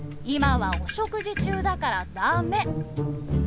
今はお食事中だからだめ」。